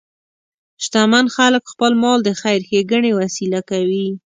شتمن خلک خپل مال د خیر ښیګڼې وسیله کوي.